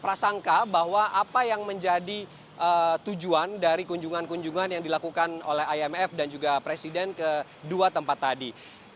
prasangka bahwa apa yang menjadi tujuan dari kunjungan kunjungan yang dilakukan oleh imf dan juga presiden ke dua tempat tadi